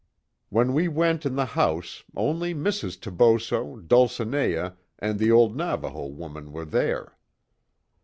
"When we went in the house only Mrs. Toboso, Dulcinea, and the old Navajo woman were there.